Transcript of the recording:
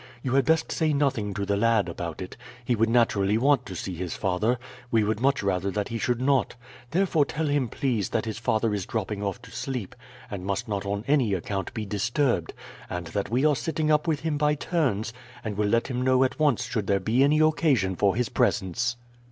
You had best say nothing to the lad about it. He would naturally want to see his father; we would much rather that he should not. Therefore tell him, please, that his father is dropping off to sleep, and must not on any account be disturbed; and that we are sitting up with him by turns, and will let him know at once should there be any occasion for his presence."